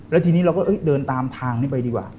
แล้วทีนี้เราก็เดินตามทางนี้ไปดีกว่า